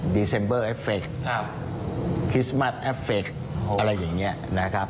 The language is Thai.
ดีเซมเบอร์เอฟเฟกต์ครับคริสต์มัสเอฟเฟกต์อะไรอย่างเงี้ยนะครับ